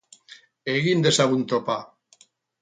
Egin dezagun topa!